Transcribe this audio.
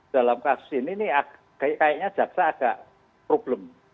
dalam kasus ini nih kayaknya jaksa agak problem